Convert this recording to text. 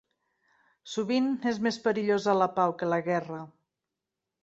Sovint és més perillosa la pau que la guerra.